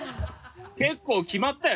結構キマったよ？